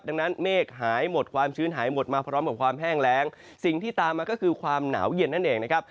ดังนั้นเมฆหายหมดความชื้นหายหมดมาพร้อมกับความแห้งแรงสิ่งที่ตามมาก็คือความหนาวเย็นนั่นเองนะครับ